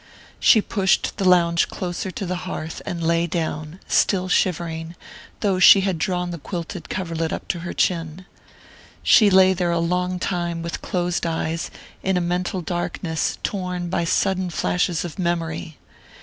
She pushed the lounge closer to the hearth and lay down, still shivering, though she had drawn the quilted coverlet up to her chin. She lay there a long time, with closed eyes, in a mental darkness torn by sudden flashes of memory.